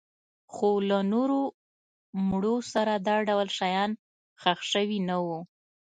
خو له نورو مړو سره دا ډول شیان ښخ شوي نه وو